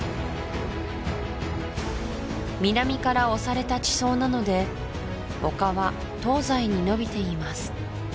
南から押された地層なので丘は東西に延びています